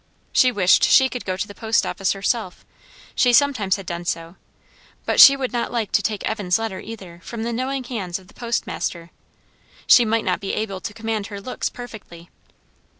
She wished she could go to the post office herself; she sometimes had done so; but she would not like to take Evan's letter, either, from the knowing hands of the postmaster. She might not be able to command her looks perfectly.